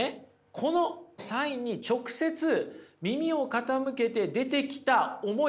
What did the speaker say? このサインに直接耳を傾けて出てきた思いなんですよ。